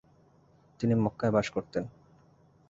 তিনি মক্কায় বাস করতেন।